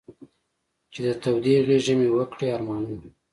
چې د تودې غېږې مې و کړې ارمانونه.